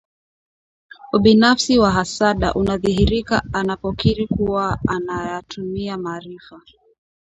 Ubinafsi wa Hasada unadhihirika anapokiri kuwa anayatumia maarifa